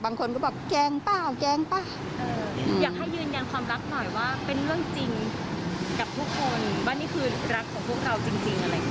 ว่านี่คือรักของพวกเราจริงอะไรแบบนี้